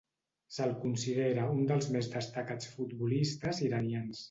Se'l considera un dels més destacats futbolistes iranians.